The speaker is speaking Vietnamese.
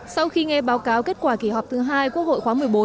sau khi nghe báo cáo kết quả kỳ họp thứ hai quốc hội khóa một mươi bốn